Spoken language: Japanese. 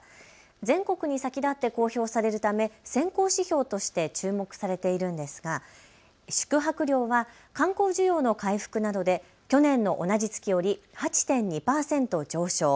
全国に先立って公表されるため先行指標として注目されているんですが宿泊業は観光需要の回復などで去年の同じ月より８．２％上昇。